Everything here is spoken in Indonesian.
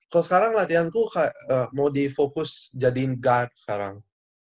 kalau sekarang latihanku mau di fokus jadiin guard sekarang